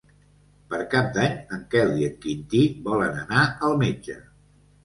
Per Cap d'Any en Quel i en Quintí volen anar al metge.